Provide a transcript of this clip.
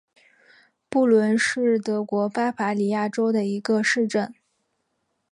布伦是德国巴伐利亚州的一个市镇。